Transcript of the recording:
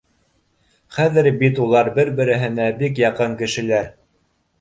Хәҙер бит улар бер-береһенә бик яҡын кешеләр